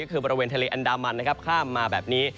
ก็คือบริเวณทะเลอันดามันนะครับข้ามมาแบบนี้